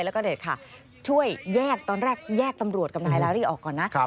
แล้วก็เด็ดค่ะช่วยแยกตอนแรกแยกตำรวจกับนายลารี่ออกก่อนนะ